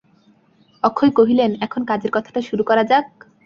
অক্ষয় কহিলেন, এখন কাজের কথাটা শুরু করা যাক।